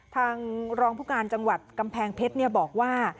ทางรองผู้การจังหวัดกำแพงเพชรบอกว่า